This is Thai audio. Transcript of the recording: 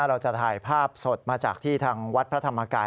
เราจะถ่ายภาพสดมาจากที่ทางวัดพระธรรมกาย